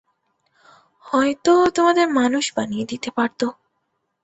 হয়তো তোমাদেরকে মানুষ বানিয়ে দিতে পারত।